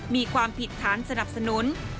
มีความผิดฐานสนับสนุน